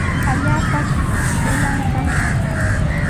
Allaapa qillami kanki.